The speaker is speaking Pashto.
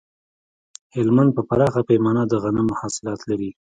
هلمند په پراخه پیمانه د غنمو حاصلات لري